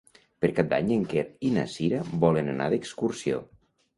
Per Cap d'Any en Quer i na Cira volen anar d'excursió.